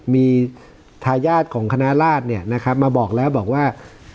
มีทายาทของคณะลาศเนี่ยนะครับมาบอกแล้วบอกว่า